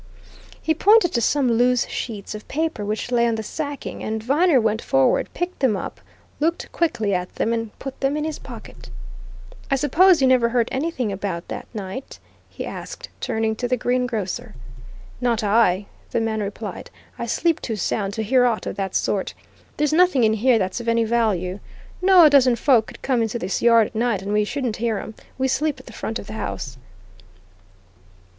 He pointed to some loose sheets of paper which lay on the sacking, and Viner went forward, picked them up, looked quickly at them, and put them in his pocket. "I suppose you never heard anybody about, that night?" he asked turning to the greengrocer. "Not I!" the man replied. "I sleep too sound to hear aught of that sort. There's nothing in here that's of any value. No a dozen folk could come into this yard at night and we shouldn't hear 'em we sleep at the front of the house."